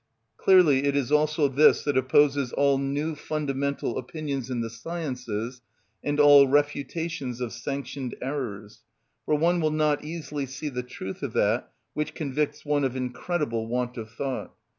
14). Clearly it is also this that opposes all new fundamental opinions in the sciences and all refutations of sanctioned errors, for one will not easily see the truth of that which convicts one of incredible want of thought.